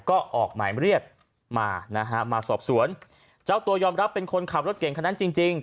ก็ออกหมายเรียกมานะฮะมาสอบสวนเจ้าตัวยอมรับเป็นคนขับรถเก่งคนนั้นจริงจริง